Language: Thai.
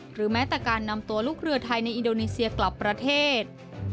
หรือแม้แต่การนำตัวลูกเรือไทยในอินโดนีเซียกลับประเทศ